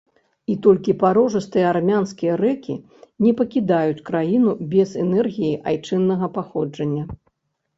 І толькі парожыстыя армянскія рэкі не пакідаюць краіну без энергіі айчыннага паходжання.